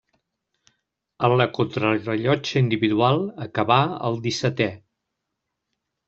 En la contrarellotge individual acabà el dissetè.